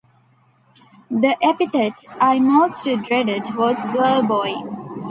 The epithet I most dreaded was girl-boy.